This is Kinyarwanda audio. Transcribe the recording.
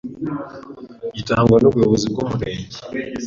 gitangwa n’ubuyobozi bw’umurenge